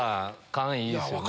勘いいっすよね。